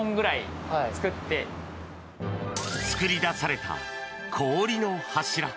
作り出された氷の柱。